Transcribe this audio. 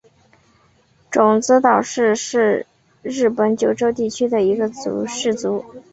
种子岛氏是日本九州地区的一个氏族。